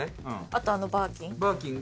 あとあのバーキン。